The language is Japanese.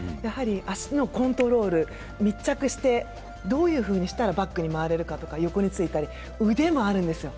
足のコントロール、密着して、どういうふうにしたらバックに回れるとか横についたり、腕もあるんですよ。